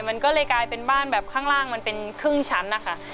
มันก็เลยกลายเป็นบ้านแบบข้างล่างมันเป็นครึ่งชั้นนะคะ